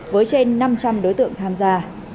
với trên năm trăm linh đối tượng tham gia